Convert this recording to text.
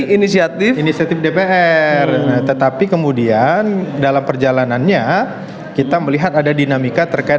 inisiatif inisiatif dpr tetapi kemudian dalam perjalanannya kita melihat ada dinamika terkait